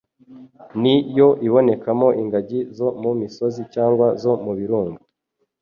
Ni yo ibonekamo ingagi zo mu misozi cyangwa zo mu birunga.